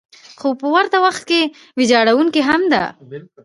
خو په ورته وخت کې ویجاړونکې هم ده.